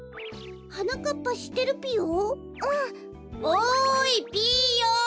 おいピーヨン。